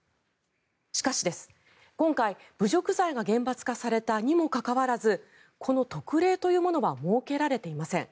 しかし今回、侮辱罪が厳罰化されたにもかかわらずこの特例というものは設けられていません。